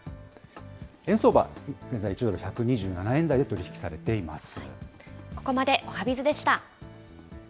円相場、現在１ドル１２７円台で取り引きされています。